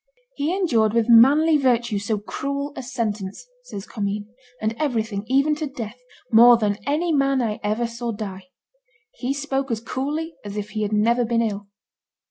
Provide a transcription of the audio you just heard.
"He endured with manly virtue so cruel a sentence," says Commynes, "and everything, even to death, more than any man I ever saw die; he spoke as coolly as if he had never been ill."